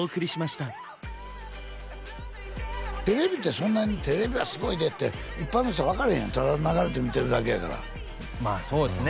その時はテレビはすごいでって一般の人は分からへんやんただ流れて見てるだけやからまあそうですね